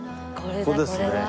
これですね。